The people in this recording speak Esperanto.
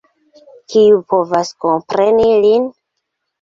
Kiu povas kompreni lin!